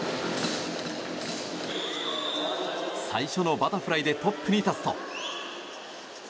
最初のバタフライでトップに立つと。